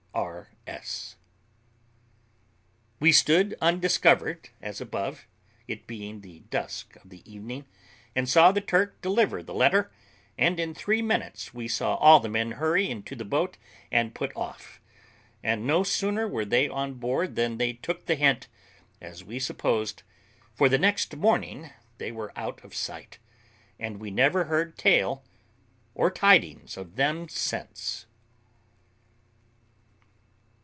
R.S." We stood undiscovered, as above, it being the dusk of the evening, and saw the Turk deliver the letter, and in three minutes we saw all the men hurry into the boat and put off, and no sooner were they on board than they took the hint, as we supposed, for the next morning they were out of sight, and we never heard tale or tidings of them since.